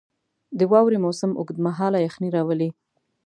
• د واورې موسم اوږد مهاله یخني راولي.